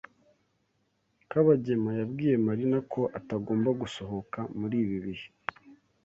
Kabagema yabwiye Marina ko atagomba gusohoka muri ibi bihe.